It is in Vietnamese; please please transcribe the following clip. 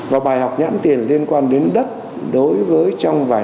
và bài học nhãn tiền liên quan đến đất đối với trong vài